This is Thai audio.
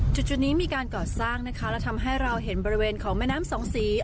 จุดนี้มีการก่อสร้างนะคะและทำให้เราเห็นบริเวณของแม่น้ำสองสี